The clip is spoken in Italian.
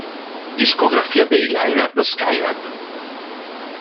Discografia dei Lynyrd Skynyrd